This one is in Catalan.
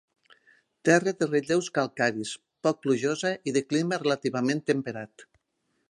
Terra de relleus calcaris, poc plujosa i de clima relativament temperat.